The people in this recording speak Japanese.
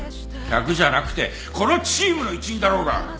客じゃなくてこのチームの一員だろうが！